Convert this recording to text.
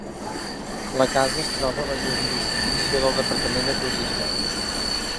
La casa es troba a la jurisdicció del Departament de turisme.